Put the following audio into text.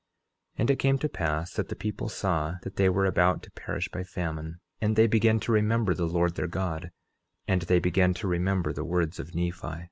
11:7 And it came to pass that the people saw that they were about to perish by famine, and they began to remember the Lord their God; and they began to remember the words of Nephi.